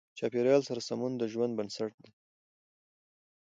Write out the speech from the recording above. چاپېریال سره سمون د ژوند بنسټ دی.